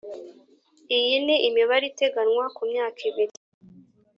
Iyi ni imibare iteganywa ku myaka ibiri